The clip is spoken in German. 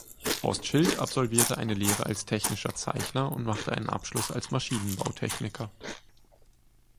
Horst Schild absolvierte eine Lehre als Technischer Zeichner und machte einen Abschluss als Maschinenbautechniker.